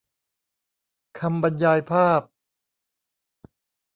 คำบรรยายภาพ